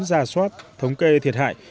ra soát thống kê thiệt hại